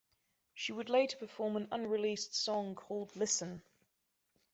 She would later perform an unreleased song called "Listen".